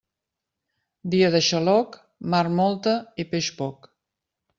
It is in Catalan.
Dia de xaloc, mar molta i peix poc.